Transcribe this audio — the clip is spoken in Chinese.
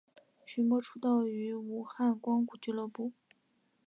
徐擎出道于武汉光谷俱乐部。